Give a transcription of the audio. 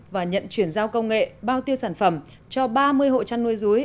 và nhận chuyển giao công nghệ bao tiêu sản phẩm cho ba mươi hộ chăn nuôi rúi